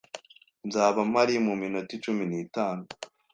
Nzaba mpari muminota cumi n'itanu.